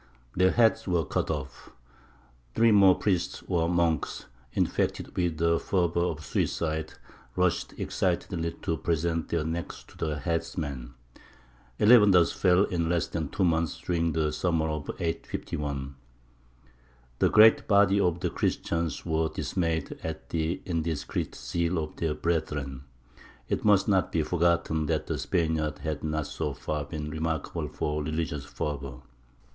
Their heads were cut off. Three more priests or monks, infected with the fever of suicide, rushed excitedly to present their necks to the headsman. Eleven thus fell in less than two months during the summer of 851. The great body of the Christians were dismayed at the indiscreet zeal of their brethren. It must not be forgotten that the Spaniards had not so far been remarkable for religious fervour.